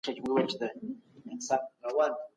تاسي تل د ژوند په هره برخه کي د پوره پرمختګ هڅه کوئ.